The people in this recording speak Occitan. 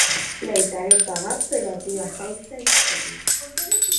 Lèu te harè pagar pera tua fausa istòria.